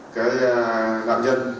cái nạn nhân